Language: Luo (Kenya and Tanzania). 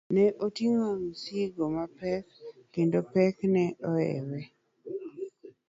Ne oting'o osigo mapek kendo pek ne ohewe.